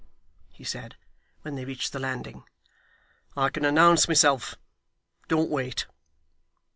he said, when they reached the landing. 'I can announce myself. Don't wait.